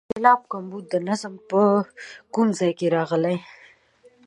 د سېلاب کمبود د نظم په کوم ځای کې راغلی.